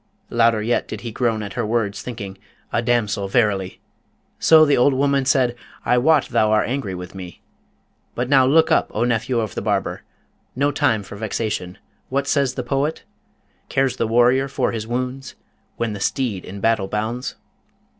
Louder yet did he groan at her words, thinking, 'A damsel, verily!' So the old woman said, 'I wot thou art angry with me; but now look up, O nephew of the barber! no time for vexation. What says the poet? "Cares the warrior for his wounds When the steed in battle bounds?"